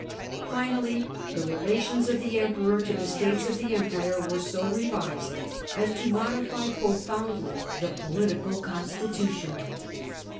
Finally, the relations of the Emperor to the States of the Empire were so revised as to modify profoundly the political constitution.